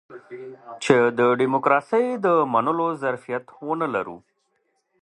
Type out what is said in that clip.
چې د ډيموکراسۍ د منلو ظرفيت ونه لرو.